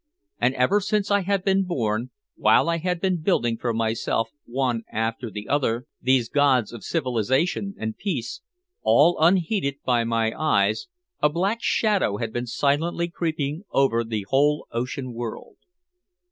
And ever since I had been born, while I had been building for myself one after the other these gods of civilization and peace all unheeded by my eyes a black shadow had been silently creeping over the whole ocean world.